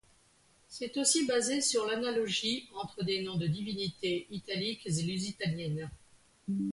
C'est aussi basé sur l'analogie entre des noms de divinités italiques et lusitaniennes.